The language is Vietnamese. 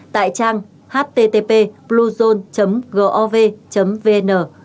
tại trang http bluezone gov vn